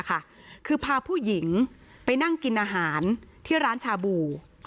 คือพาผู้หญิงไปนั่งกินอาหารที่ร้านชาบู